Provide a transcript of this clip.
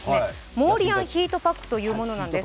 モーリアンヒートパックというものなんです。